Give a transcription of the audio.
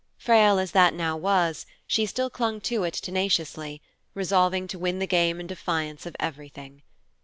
Frail as that now was, she still clung to it tenaciously, resolving to win the game in defiance of everything.